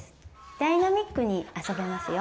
ダイナミックに遊べますよ。